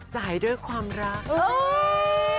จ่ายด้วยความรัก